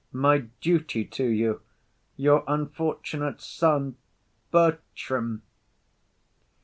My duty to you. Your unfortunate son,_ BERTRAM.